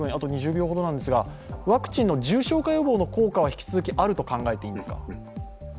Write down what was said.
ワクチンの重症化予防の効果は引き続きあると考えていいんですか？